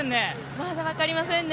まだ分かりませんね。